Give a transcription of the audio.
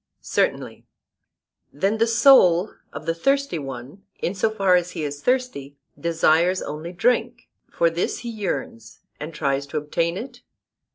Certainly. Then the soul of the thirsty one, in so far as he is thirsty, desires only drink; for this he yearns and tries to obtain it?